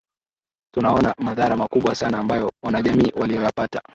Tunaona madhara makubwa sana ambayo wanajamii waliyoyapata